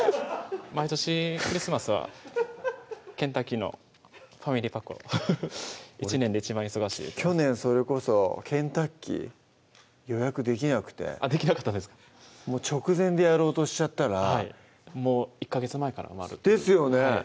毎年クリスマスはケンタッキーのファミリーパックを１年で一番忙しいと去年それこそケンタッキー予約できなくてできなかったんですか直前でやろうとしちゃったらはいもう１ヵ月前から埋まるってですよね